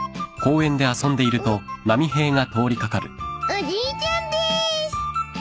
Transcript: おじいちゃんです！